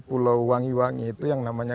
pulau wangi wangi itu yang namanya